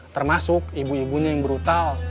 termasuk ibu ibunya yang brutal